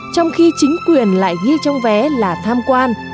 trong khi chính quyền lại ghi trong vé là tham quan